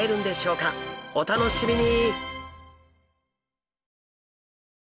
お楽しみに。